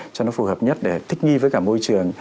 cho nó phù hợp nhất để thích nghi với cả môi trường